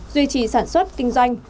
duy trì sản xuất kinh doanh